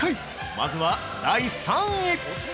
まずは第３位！